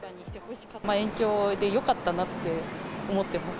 延長でよかったなって思ってます。